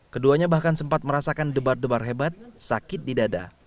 keduanya bahkan sempat merasakan debar debar hebat sakit di dada